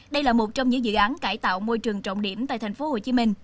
đây là một trong những dự án cải tạo môi trường trọng điểm tại tp hcm